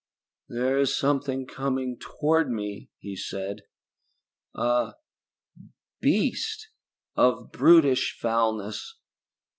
"There is something coming toward me," he said. "A beast of brutish foulness!